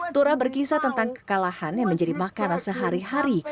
tura berkisah tentang kekalahan yang menjadi makanan sehari hari